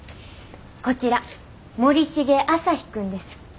こちら森重朝陽君です。